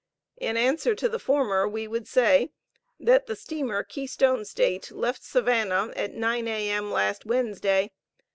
In answer to the former, we would say, that the steamer Keystone State, left Savannah, at 9 A.M., last Wednesday.